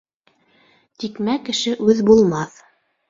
Тикмә кеше үҙ булмаҫ